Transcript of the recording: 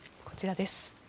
こちらです。